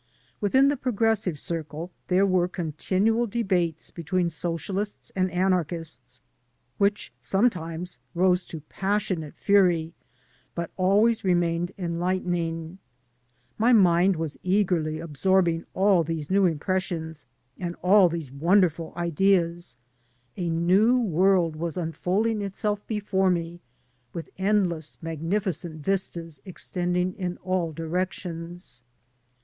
Within the progressive circle there were continual debates between socialists and anarchists, which some times rose to passionate fury, but always remained enlightening. My mind was eagerly absorbing all these new impressions and all these wonderful ideas. A new II 161 AN AMERICAN IN THE MAKING world was unfolding itself before me, with endless, magnificent vistas extending in all directions.